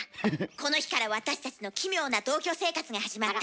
この日から私たちの奇妙な同居生活が始まった。